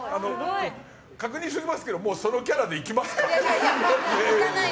確認しておきますけどそのキャラでいきますか？